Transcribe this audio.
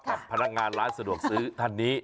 กับพนักงานร้านสะดวกซื้อท่านนี้